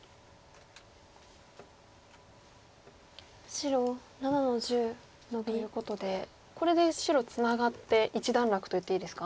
白７の十ノビ。ということでこれで白ツナがって一段落といっていいですか？